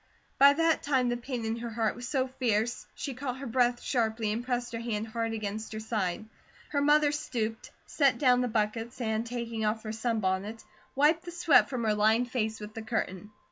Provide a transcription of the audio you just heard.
By that time the pain in her heart was so fierce she caught her breath sharply, and pressed her hand hard against her side. Her mother stooped, set down the buckets, and taking off her sunbonnet, wiped the sweat from her lined face with the curtain.